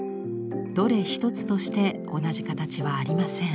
どれ一つとして同じ形はありません。